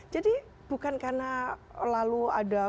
jadi bukan karena lalu ada